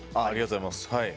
ありがとうございます。